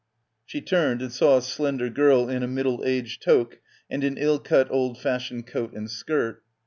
She turned and saw a slender girl in a middle aged toque and an ill cut old fashioned coat and skirt.